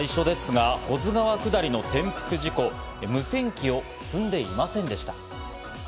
まず最初ですが、保津川下りの転覆事故、無線機を積んでいませんでした。